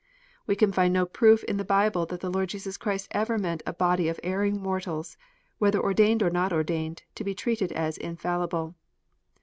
We can find no proof in the Bible that the Lord Jesus Christ ever meant a body of erring mortals, whether ordained or not ordained, to be treated as infallible.